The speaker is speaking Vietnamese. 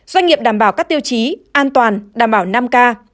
doanh nghiệp đảm bảo các tiêu chí an toàn đảm bảo năm k